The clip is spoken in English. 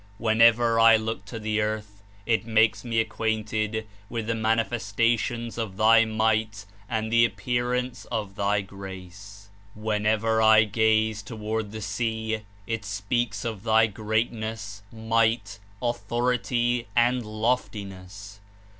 "Whenever I look to the earth, it makes me ac quainted with the manifestations of Thy might and the appearance of Thy grace. "Whenever I gaze toward the sea, it speaks of Thy greatness, might, authority and loftiness.